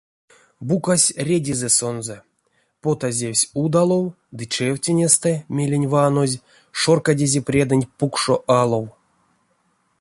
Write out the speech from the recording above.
Букась редизе сонзэ, потазевсь удалов ды чевтинестэ, мелень ванозь, шоркадизе предэнть пукшо алов.